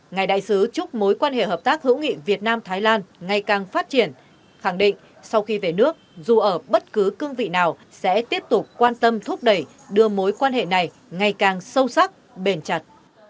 ngài đại sứ chúc mối quan hệ hợp tác hữu nghị việt nam thái lan ngày càng phát triển khẳng định sau khi về nước dù ở bất cứ cương vị nào sẽ tiếp tục quan tâm thúc đẩy đưa mối quan hệ này ngày càng sâu sắc bền chặt